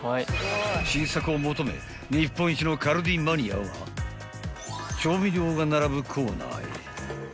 ［新作を求め日本一のカルディマニアは調味料が並ぶコーナーへ］